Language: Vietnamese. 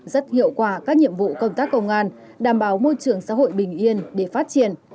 rất hiệu quả các nhiệm vụ công tác công an đảm bảo môi trường xã hội bình yên để phát triển